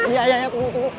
iya iya tunggu tunggu